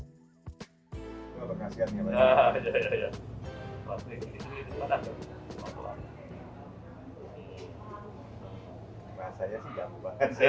masa ya sih jamu banget sih